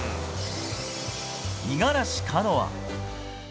五十嵐カノア。